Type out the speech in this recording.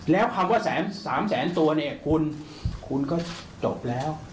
แล้วคำว่า๓๐๐๐๐๐ตัวคุณก็จบแล้ว